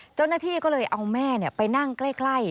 เจ้าหน้าที่ก็เลยเอาแม่ไปนั่งใกล้